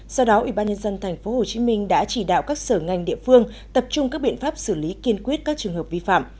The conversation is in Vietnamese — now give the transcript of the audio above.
do đó ubnd tp hcm đã chỉ đạo các sở ngành địa phương tập trung các biện pháp xử lý kiên quyết các trường hợp vi phạm